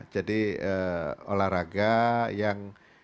jadi olahraga yang